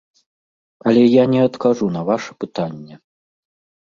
Але я не адкажу на ваша пытанне.